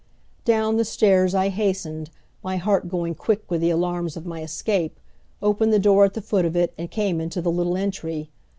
Down the stairs I hastened, my heart going quick with the alarms of my escape, opened the door at the foot of it and came into the little entry.